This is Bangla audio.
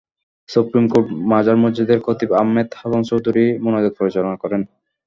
সুপ্রিম কোর্ট মাজার মসজিদের খতিব আহমেদ হাসান চৌধুরী মোনাজাত পরিচালনা করেন।